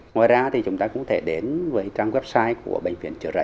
ngoài ra thì chúng ta cũng có thể đến với trang website của bệnh viện trường tâm